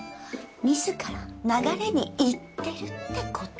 自ら流れに行ってるってこと。